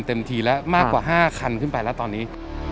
ทีแล้วมากกว่า๕คันขึ้นไปแล้วตอนนี้